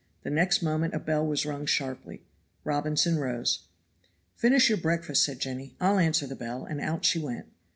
The next moment a bell was rung sharply. Robinson rose. "Finish your breakfast," said Jenny, "I'll answer the bell," and out she went.